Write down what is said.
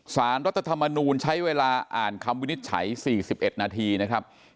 สารรัฐธรรมนูลใช้เวลาอ่านคำวินิจฉัย๔๑นาทีนะครับ